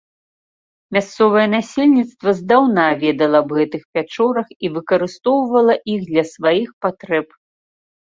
Мясцовае насельніцтва здаўна ведала аб гэтых пячорах і выкарыстоўвала іх для сваіх патрэб.